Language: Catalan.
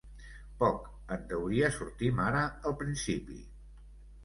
Poc, en teoria sortim ara al principi.